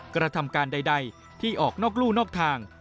กระทำการใดที่ออกนอกลู่นอกทาง